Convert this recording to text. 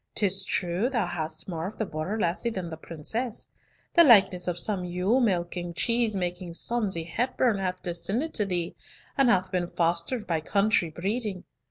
'Tis true, thou hast more of the Border lassie than the princess. The likeness of some ewe milking, cheese making sonsie Hepburn hath descended to thee, and hath been fostered by country breeding.